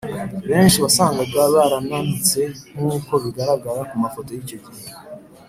Benshi wasangaga barananutse nk’uko bigaragara ku mafoto y’icyo gihe.